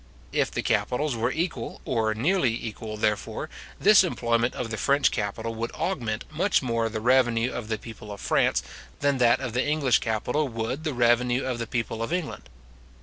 If the capitals were equal, or nearly equal, therefore, this employment of the French capital would augment much more the revenue of the people of France, than that of the English capital would the revenue of the people of England.